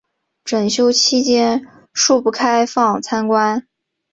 整修期间恕不开放参观